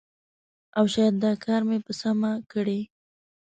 او شاید دا کار مې په سمه کړی